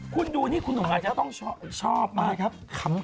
คุณดูนี่คุณต้องชอบมากคำ